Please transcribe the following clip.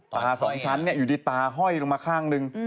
สองชั้นอยู่ดีตาห้อยลงมาข้างหนึ่ง